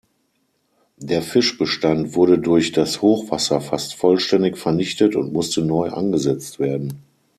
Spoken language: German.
Der Fischbestand wurde durch das Hochwasser fast vollständig vernichtet und musste neu angesetzt werden.